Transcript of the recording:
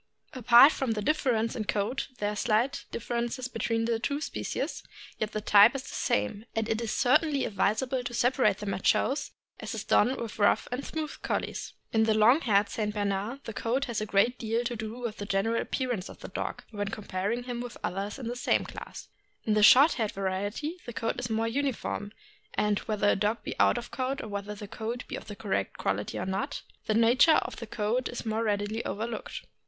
Apart from the difference in coat, there are slight differences between the two species; yet the type is the same, and it is certainly advisable to separate them at shows, as is done with THE ST. BERNAKD. 561 rough and smooth Collies. In the long haired St. Bernard, the coat has a great deal to do with the general appearance of the dog, when comparing him with others in the same class; in the short haired variety, the coat is more uni form, and, whether a dog be out of coat or whether the coat be of the correct quality or not, the nature of the coat is more readily overlooked.